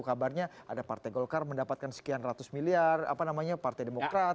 kabarnya ada partai golkar mendapatkan sekian ratus miliar apa namanya partai demokrat